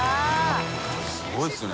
すごいですね。